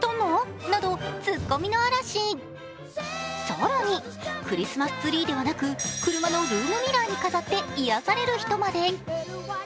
更にクリスマスツリーではなく車のルームミラーに飾って癒やされる人まで。